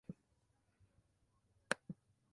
De ese modo podrás conocer mejor la idea que me anima